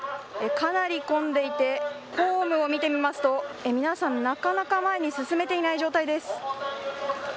かなり混んでいてホームを見てみますと皆さん、なかなか前に進めていない状態です。